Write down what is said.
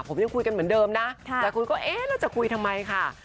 ผมยังคุยกันเหมือนเดิมนะหลายคนก็เอ๊ะแล้วจะคุยทำไมค่ะ